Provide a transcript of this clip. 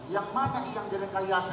yang mana yang direkayasa